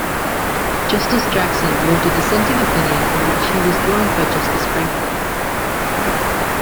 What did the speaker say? Justice Jackson wrote a dissenting opinion in which he was joined by Justice Frankfurter.